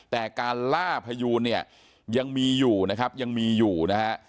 แต่การล่าพยูนเนี่ยยังมีอยู่นะครับยังมีอยู่นะฮะ